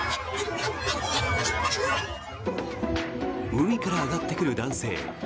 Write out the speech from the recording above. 海から上がってくる男性。